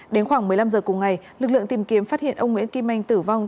đến khoảng một mươi năm h cùng ngày lực lượng tìm kiếm phát hiện ông nguyễn kim anh tử vong